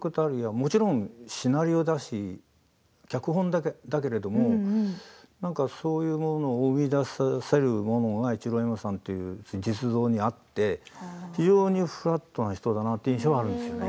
もちろんシナリオだし脚本だけれどもそういうものを生み出せるものが市郎右衛門さんの実像にあって非常にフラットな人だなという印象があるんです。